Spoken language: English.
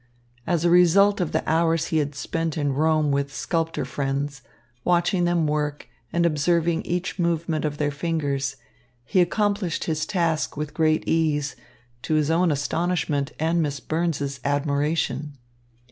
As a result of the hours he had spent in Rome with sculptor friends, watching them work and observing each movement of their fingers, he accomplished his task with great ease, to his own astonishment and Miss Burns's admiration.